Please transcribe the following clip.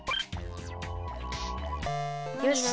よし。